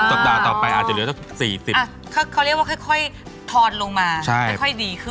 อะเขาเรียกว่าค่อยตอนลงมาใช่แต่ค่อยดีขึ้น